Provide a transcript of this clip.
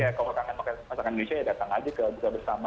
iya kalau kangen makan masakan indonesia ya datang aja ke bukabur samad